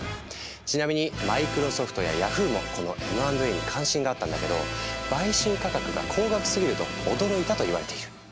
ちなみにマイクロソフトやヤフーもこのＭ＆Ａに関心があったんだけど買収価格が高額すぎると驚いたといわれている。